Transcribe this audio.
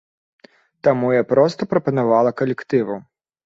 Таму я проста прапанавала калектыву.